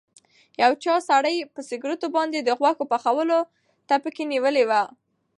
یو چاغ سړي په سکروټو باندې د غوښو پخولو ته پکه نیولې وه.